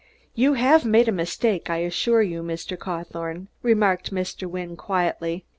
"You have made a mistake, I assure you, Mr. Cawthorne," remarked Mr. Wynne quietly.